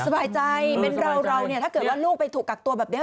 พ่อแม่ก็สบายใจนะสบายใจเราเนี่ยถ้าเกิดว่าลูกไปถูกกักตัวแบบนี้